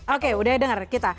oke udah dengar kita